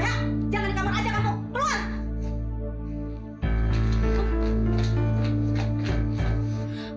ya jangan di kamar aja kamu keluar